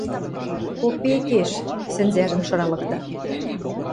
– Копекеш сӹнзӓжӹм шыралыкта!..